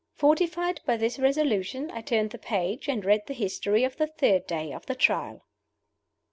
Fortified by this resolution, I turned the page, and read the history of the third day of the Trial.